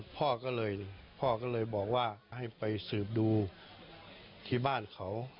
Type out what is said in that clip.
พ่อก็เลยพ่อก็เลยบอกว่าให้ไปสืบดูที่บ้านเขา